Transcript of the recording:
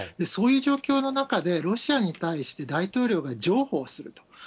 そういう状況の中で、ロシアに対して大統領が譲歩をすると。